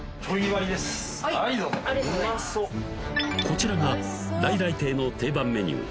こちらが来来亭の定番メニュー